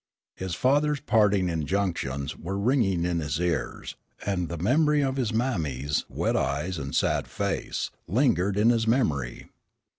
His father's parting injunctions were ringing in his ears, and the memory of his mammy's wet eyes and sad face lingered in his memory.